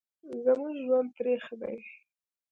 زموږ ژوند تریخ دی